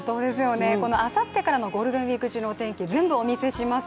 この、あさってからのゴールデンウイーク中のお天気、全部お見せします。